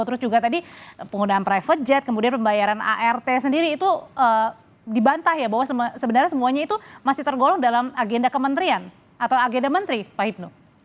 terus juga tadi penggunaan private jet kemudian pembayaran art sendiri itu dibantah ya bahwa sebenarnya semuanya itu masih tergolong dalam agenda kementerian atau agenda menteri pak hipnu